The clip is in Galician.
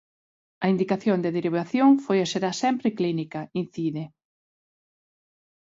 "A indicación de derivación foi e será sempre clínica", incide.